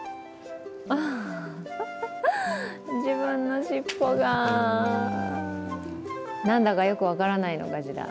自分の尻尾がなんだかよく分からないのかしら。